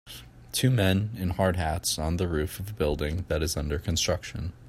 Two men in hard hats on the roof of a building that is under construction.